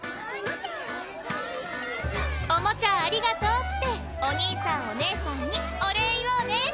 「おもちゃありがとう」ってお兄さんお姉さんにお礼言おうね。